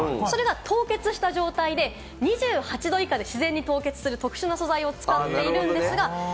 それが凍結した状態で２８度以下で自然に凍結する特殊な素材を使っているんですが。